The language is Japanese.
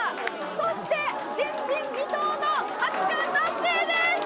そして前人未到の八冠達成です。